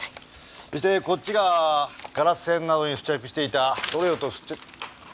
そしてこっちがガラス片などに付着していた塗料と。